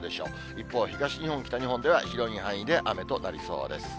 一方、東日本、北日本では広い範囲で雨となりそうです。